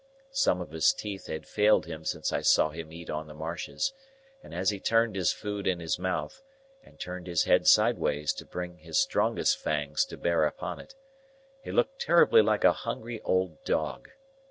Some of his teeth had failed him since I saw him eat on the marshes, and as he turned his food in his mouth, and turned his head sideways to bring his strongest fangs to bear upon it, he looked terribly like a hungry old dog.